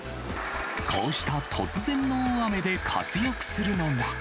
こうした突然の大雨で活躍するのが。